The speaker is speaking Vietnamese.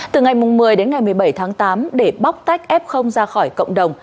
từ ngày một mươi đến ngày một mươi bảy tháng tám để bóc tách f ra khỏi cộng đồng